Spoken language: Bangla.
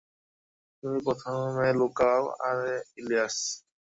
তুমি প্রথমে লুকাও আরে ইলিয়াস।